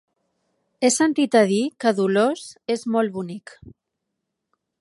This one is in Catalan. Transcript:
He sentit a dir que Dolors és molt bonic.